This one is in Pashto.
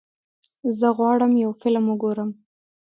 زه غواړم یو فلم وګورم.